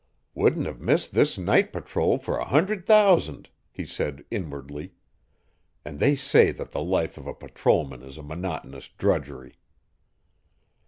"Wouldn't have missed this night patrol for a hundred thousand," he said inwardly "and they say that the life of a patrolman is a monotonous drudgery."